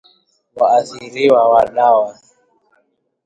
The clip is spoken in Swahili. Waathiriwa wa Dawa